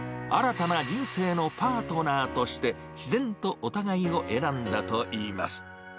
新たな人生のパートナーとして、自然とお互いを選んだといいます。